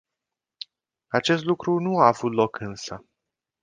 Acest lucru nu a avut loc însă.